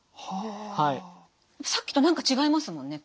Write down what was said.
さっきと何か違いますもんね。